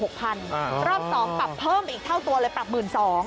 รอบ๒ปรับเพิ่มอีกเท่าตัวเลยปรับ๑๒๐๐